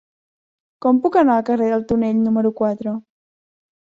Com puc anar al carrer del Tonell número quatre?